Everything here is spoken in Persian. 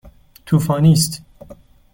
طوفانی است.